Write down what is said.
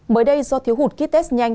mới đây do thiếu hụt kit test nhanh